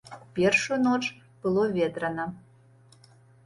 У першую ноч было ветрана.